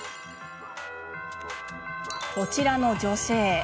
こちらの女性。